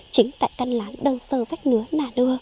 chính tại căn lán đơn sơ vách ngứa nà nưa